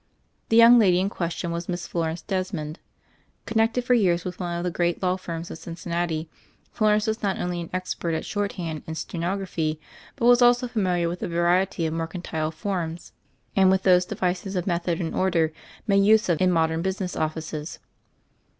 The young lady in question was Miss Florence Des mond. Connected for years with one of the great law firms of Cincinnati, Florence was not only an expert at shorthand and stenography, but was also familiar with a variety of mercantile forms and with those devices for method and order made use of in modem business offices.